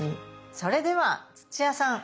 それでは土屋さん